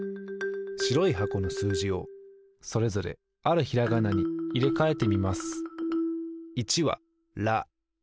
しろいはこのすうじをそれぞれあるひらがなにいれかえてみます